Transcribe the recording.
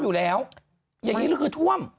อยู่แล้วอย่างนี้ก็คือท่วม